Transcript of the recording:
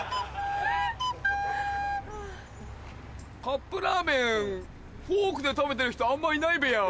カップラーメンフォークで食べてる人あんまいないべや。